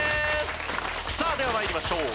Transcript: さあでは参りましょう。